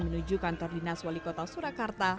menuju kantor dinas wali kota surakarta